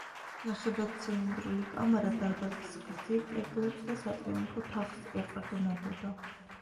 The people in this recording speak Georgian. ნახევარცილინდრული კამარა დარბაზის გრძივ კედლებს და სატრიუმფო თაღს ეყრდნობოდა.